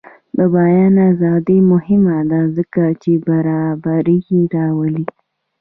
د بیان ازادي مهمه ده ځکه چې برابري راولي.